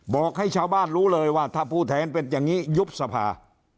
บอกให้ชาวบ้านรู้เลยว่าถ้าผู้แทนเป็นอย่างนี้ยุบสภา